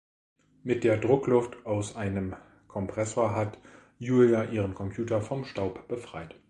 Mit der Druckluft aus einem Kompressor hat Julia ihren Computer vom Staub befreit.